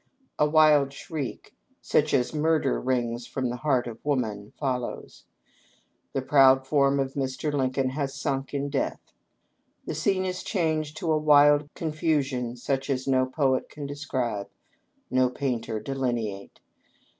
A wild shriek, such as murder wrings from the heart of woman, follows : the proud form of Mr. Lincoln has sunk in death. The scene is changed to a wild confusion such as no poet can describe, no painter delineate.